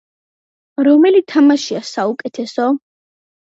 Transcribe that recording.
რომელი თამაშია საუკეთესო?